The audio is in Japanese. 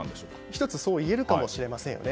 １つそう言えるかもしれませんよね。